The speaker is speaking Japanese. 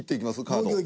カード。